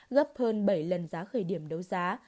gấp hơn bảy lần giá khởi điểm đấu giá